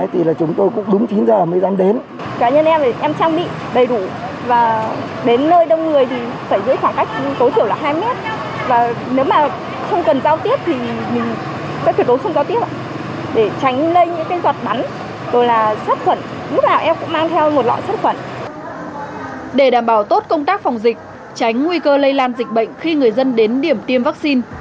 thì là chúng tôi cũng đúng chín giờ mới dám đến